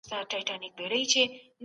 سازمانونو به د سولي لپاره هڅي کولې.